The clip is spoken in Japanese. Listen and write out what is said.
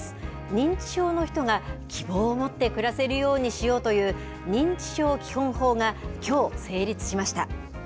認知症の人が希望を持って暮らせるようにしようという認知症基本法が、きょう成立しました。